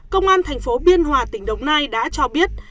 công an thành phố biên hòa tỉnh đồng nai đã cho biết